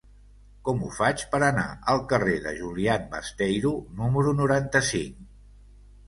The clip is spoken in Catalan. Com ho faig per anar al carrer de Julián Besteiro número noranta-cinc?